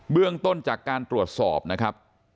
เรื่องต้นจากการตรวจสอบนะครับ